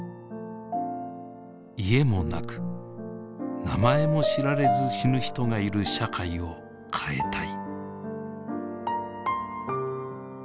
家もなく名前も知られず死ぬ人がいる社会を変えたい。